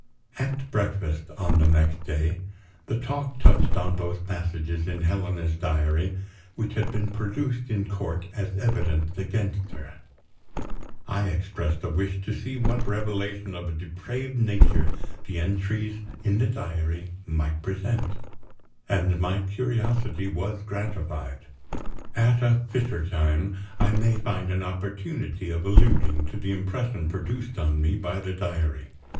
At breakfast, on the next day, the talk touched on those passages in Helena's diary, which had been produced in court as evidence against her. I expressed a wish to see what revelation of a depraved nature the entries in the diary might present; and my curiosity was gratified. At a fitter time, I may find an opportunity of alluding to the impression produced on me by the diary.